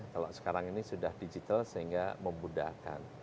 kalau sekarang ini sudah digital sehingga memudahkan